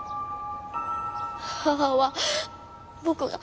母は僕が。